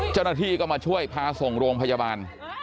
เจ้าหน้าที่ก็มาช่วยพาส่งโรงพยาบาล